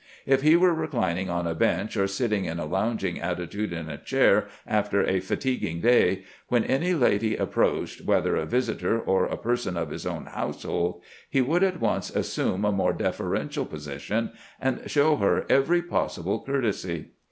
If he were reclining on a bench or sitting in a lounging attitude in a chair after a fatiguing day, when any lady approached, whether a visitor or a person of his own household, he would at once assume a more deferential position, and show her every possible courtesy.